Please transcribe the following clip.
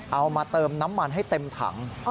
เอามาเติมน้ำมันให้เต็มถัง